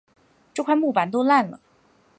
这块木板都烂了